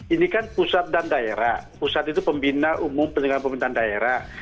ini kan pusat dan daerah pusat itu pembina umum penyelenggaraan pemerintahan daerah